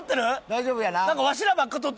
大丈夫やな？